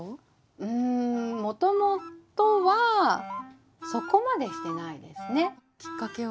うんもともとはそこまでしてないですね。きっかけは？